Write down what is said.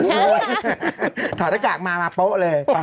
อุ๊ยถอดภักดิ์จากมามาโปะเลย